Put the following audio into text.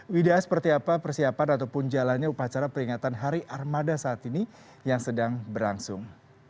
wida seperti apa persiapan ataupun jalannya upacara peringatan hari armada saat ini yang sedang berlangsung